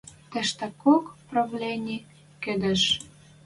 Тӹштӓкок правлени кӹдеж